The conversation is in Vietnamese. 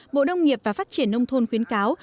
bộ nông nghiệp và phát triển nông thôn khuyến cáo